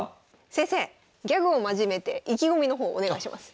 先生ギャグを交えて意気込みの方お願いします。